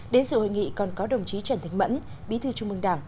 đến sự hội nghị còn có đồng chí trần thánh mẫn bí thư trung mương đảng